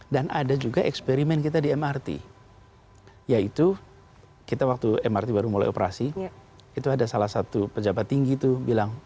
dan ada juga eksperimen kita di mrt yaitu kita waktu mrt baru mulai operasi itu ada salah satu pejabat tinggi itu bilang